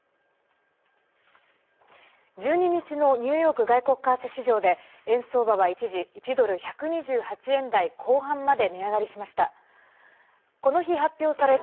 １２日のニューヨーク外国為替市場で円相場は一時１ドル＝１２８円台後半まで値上がりしました。